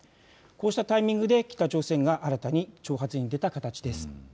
こうしたタイミングで北朝鮮が新たに挑発に出た形です。